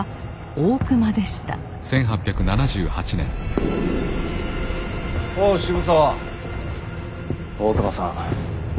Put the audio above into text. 大隈さん。